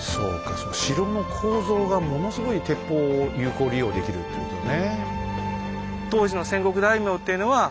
その城の構造がものすごい鉄砲を有効利用できるってことだね。